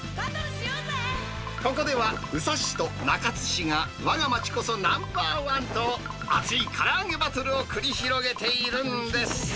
ここでは宇佐市と中津市がわが街こそナンバーワンと、熱いから揚げバトルを繰り広げているんです。